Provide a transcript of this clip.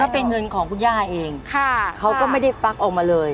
เป็นเงินของคุณย่าเองเขาก็ไม่ได้ฟักออกมาเลย